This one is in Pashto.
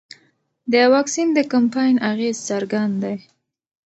د واکسین د کمپاین اغېز څرګند دی.